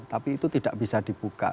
tapi itu tidak bisa dibuka